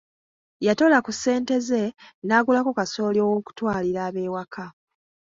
Yatoola ku ssente ze n'agulako kasooli ow'okutwalalira ab'ewaka.